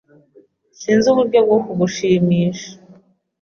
Sinzi uburyo bwo kugushimisha.